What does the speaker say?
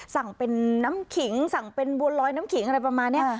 สั่งเป็นน้ำขิงสั่งเป็นบัวลอยน้ำขิงอะไรประมาณนี้